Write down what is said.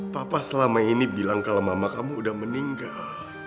papa selama ini bilang kalau mama kamu udah meninggal